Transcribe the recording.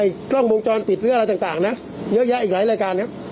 เอ่อไอกล้องบวงจอดปิดเพื่ออะไรต่างต่างนะเยอะแยะอีกหลายรายการครับ